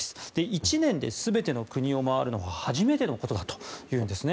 １年で全ての国を回るのは初めてのことだというんですね。